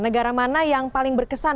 negara mana yang paling berkesan